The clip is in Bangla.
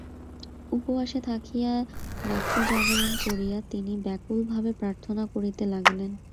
উপবাসে থাকিয়া রাত্রিজাগরণ করিয়া তিনি ব্যাকুল ভাবে প্রার্থনা করিতে লাগিলেন।